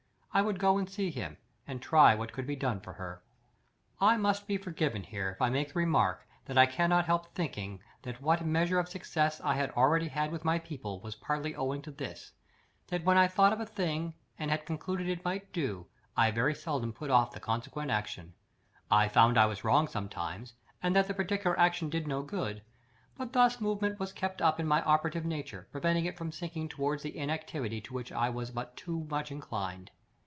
I would go and see him, and try what could be done for her. I may be forgiven here if I make the remark that I cannot help thinking that what measure of success I had already had with my people, was partly owing to this, that when I thought of a thing and had concluded it might do, I very seldom put off the consequent action. I found I was wrong sometimes, and that the particular action did no good; but thus movement was kept up in my operative nature, preventing it from sinking towards the inactivity to which I was but too much inclined.